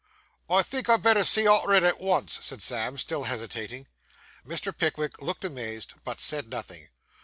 'I think I'd better see arter it at once,' said Sam, still hesitating. Mr. Pickwick looked amazed, but said nothing.